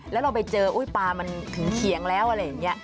แล้วเราไปเจออุ้ยปลามันถึงเขียงแล้วอะไรอย่างนี้